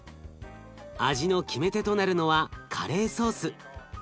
味の決め手となるのはカレーソース。